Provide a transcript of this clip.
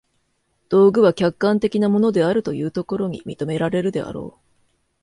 道具は客観的なものであるというところに認められるであろう。